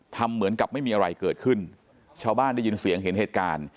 ทำเหมือนกับไม่มีอะไรเกิดขึ้นชาวบ้านได้ยินเสียงเห็นเหตุการณ์